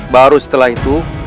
baru setelah itu